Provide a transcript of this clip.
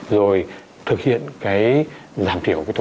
rồi thực hiện cái giảm thiểu của thuế